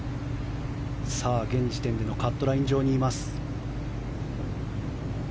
現時点でのカットライン上にいます。